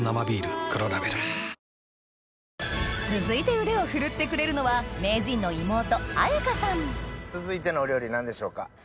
続いて腕を振るってくれるのは続いてのお料理何でしょうか？